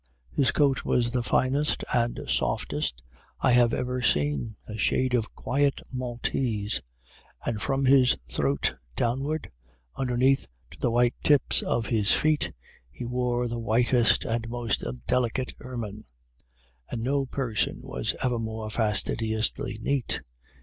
His coat was the finest and softest I have ever seen, a shade of quiet Maltese; and from his throat downward, underneath, to the white tips of his feet, he wore the whitest and most delicate ermine; and no person was ever more fastidiously neat.